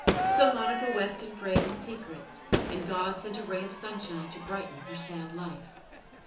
So Monica wept and prayed in secret, and God sent a ray of sunshine to brighten her sad life.